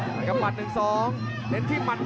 แล้วก็ปัดหนึ่งสอง